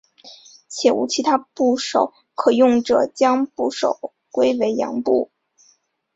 且无其他部首可用者将部首归为羊部。